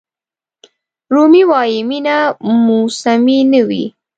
رومي وایي مینه موسمي نه وي.